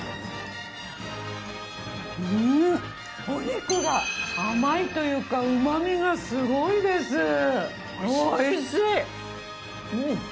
お肉が甘いというか旨みがすごいです。